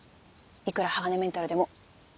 いくら鋼メンタルでも。